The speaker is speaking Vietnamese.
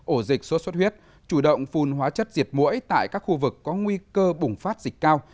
ổ dịch sốt xuất huyết chủ động phun hóa chất diệt mũi tại các khu vực có nguy cơ bùng phát dịch cao